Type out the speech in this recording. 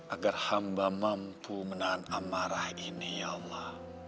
agar hamba mampu menahan amarah ini ya allah